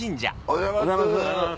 おはようございます。